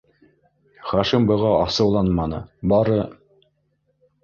Хашим быға асыуланманы, бары: